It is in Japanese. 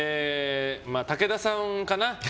武田さんかな。